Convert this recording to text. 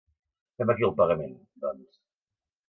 Fem aquí el pagament, doncs.